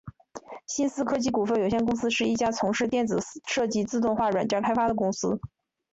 新思科技股份有限公司是一家从事电子设计自动化软件开发的公司。